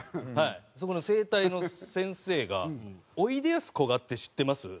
そこの整体の先生が「おいでやすこがって知ってます？」。